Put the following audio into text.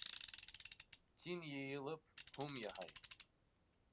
Тин йыйылып, һум яһай.